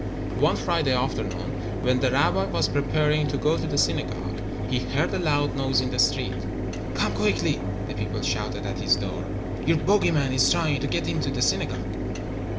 One Friday afternoon when the rabbi was preparing to go to the synagogue, he heard a loud noise in the street. "Come quickly," the people shouted at his door. "Your bogey man is trying to get into the synagogue."